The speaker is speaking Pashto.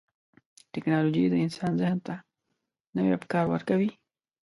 ټکنالوجي د انسان ذهن ته نوي افکار ورکوي.